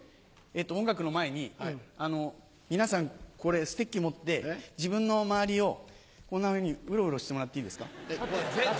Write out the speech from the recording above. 音楽の前に皆さんこれステッキを持って自分の周りをこんなふうにウロウロしてもらっていいですか。